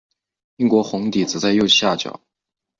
英国红底则在右下角。